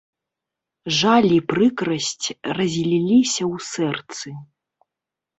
Жаль і прыкрасць разліліся ў сэрцы.